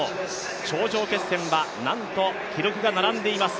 頂上決戦はなんと記録が並んでいます。